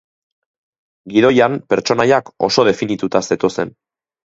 Gidoian, pertsonaiak oso definituta zetozen.